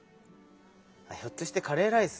ひょっとしてカレーライス？